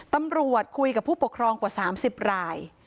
ตำรวจคุยกับผู้ปกครองกว่า๓๐ราย